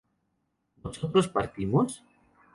¿nosotros partimos?